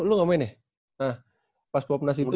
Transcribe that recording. eh lu gak main ya pas popnas itu